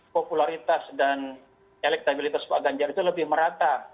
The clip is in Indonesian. popularitas dan elektabilitas pak ganjar itu lebih merata